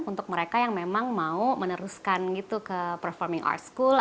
untuk mereka yang memang mau meneruskan gitu ke performing art school